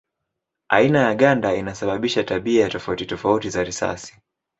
Aina ya ganda inasababisha tabia tofauti tofauti za risasi.